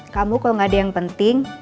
kamu kalau gak ada yang penting